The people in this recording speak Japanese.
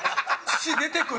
「父出てく」